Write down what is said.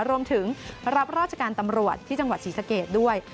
รวมถึงรับราชการตำรวจที่จังหวัดศรีสะเกดด้วย